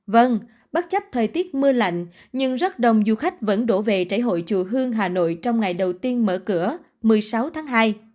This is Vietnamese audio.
vâng bất chấp thời tiết mưa lạnh nhưng rất đông du khách vẫn đổ về chảy hội chùa hương hà nội trong ngày đầu tiên mở cửa một mươi sáu tháng hai